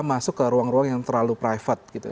masuk ke ruang ruang yang terlalu private gitu